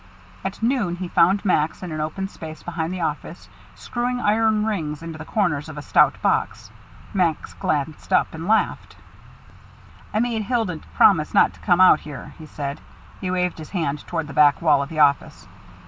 At noon he found Max in an open space behind the office, screwing iron rings into the corners of a stout box. Max glanced up and laughed. "I made Hilda promise not to come out here," he said. He waved his hand toward the back wall of the office.